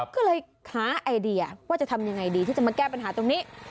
ก็เลยหาไอเดียว่าจะทำยังไงดีที่จะมาแก้ปัญหาตรงนี้